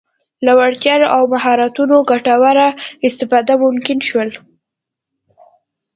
له وړتیاوو او مهارتونو ګټوره استفاده ممکن شول.